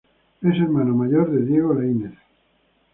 Es hermano mayor de Diego Lainez.